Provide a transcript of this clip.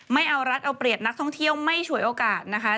ไม่เอารัฐเอาเปรียบนักท่องเที่ยวไม่ฉวยโอกาสนะคะ